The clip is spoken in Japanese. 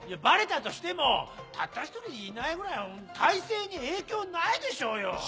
バレたとしてもたった一人いないぐらい大勢に影響ないでしょうよ。